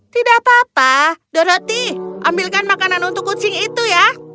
tidak apa apa dorothy ambilkan makanan untuk kucing itu ya